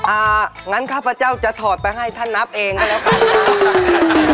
อย่างนั้นข้าพเจ้าจะถอดไปให้ท่านนับเองก็แล้วกัน